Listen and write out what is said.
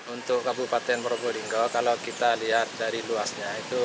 untuk kabupaten merobo dinggo kalau kita lihat dari luasnya